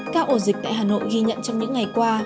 các ổ dịch tại hà nội ghi nhận trong những ngày qua